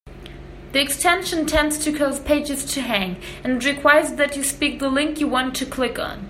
The extension tends to cause pages to hang, and it requires that you speak the link you want to click on.